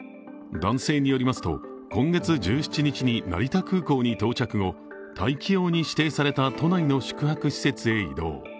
男性によりますと、今月１７日に成田空港に到着後、待機用に指定された都内の宿泊施設へ移動。